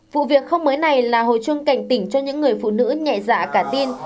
vụ việc không mới này là hồi chuông cảnh tỉnh cho những người phụ nữ nhẹ dạ cả tin